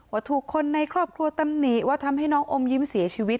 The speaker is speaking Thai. ว่าถูกคนในครอบครัวตำหนิว่าทำให้น้องอมยิ้มเสียชีวิต